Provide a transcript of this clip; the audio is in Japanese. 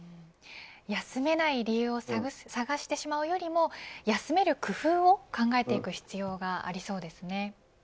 休めない理由を探してしまうよりも休める工夫を考えていく必要がありそうです。